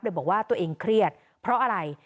บอกว่าตัวเองเครียดเพราะอะไร